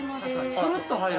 ◆するっと入る。